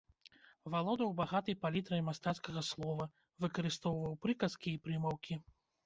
Валодаў багатай палітрай мастацкага слова, выкарыстоўваў прыказкі і прымаўкі.